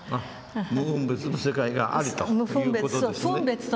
無分別の世界があるという事ですね。